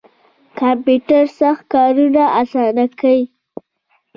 کمپیوټر سخت کارونه اسانه کوي